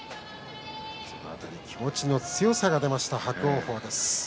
その辺り、気持ちの強さが出ました、伯桜鵬です。